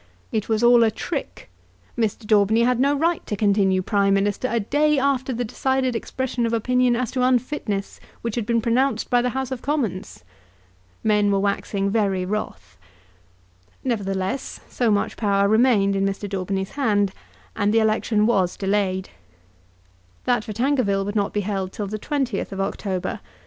It was all a trick. Mr. Daubeny had no right to continue Prime Minister a day after the decided expression of opinion as to unfitness which had been pronounced by the House of Commons. Men were waxing very wrath. Nevertheless, so much power remained in Mr. Daubeny's hand, and the election was delayed. That for Tankerville would not be held till the 20th of October.